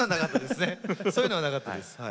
そういうのはなかったですね。